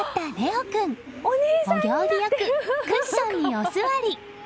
お行儀よくクッションにお座り。